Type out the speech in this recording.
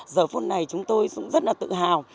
giờ phút này chúng tôi cũng rất là tự hào